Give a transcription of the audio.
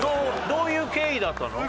どういう経緯だったの？